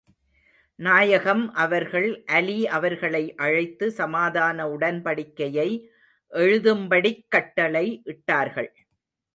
நாயகம் அவர்கள், அலீ அவர்களை அழைத்து சமாதான உடன்படிக்கையை எழுதும்படிக் கட்டளை இட்டார்கள்.